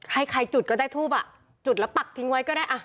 ให้ใครจุดก็ได้ทูบอ่ะจุดแล้วปักทิ้งไว้ก็ได้อ่ะ